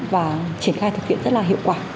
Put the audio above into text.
và triển khai thực hiện rất là hiệu quả